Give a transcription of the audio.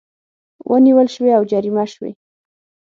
ونیول شوې او جریمه شوې